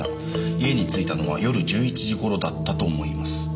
「家に着いたのは夜１１時頃だったと思います」